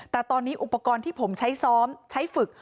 แต่ตอนนี้อุปกรณ์ที่ผมใช้ซ้อมใช้ฝึก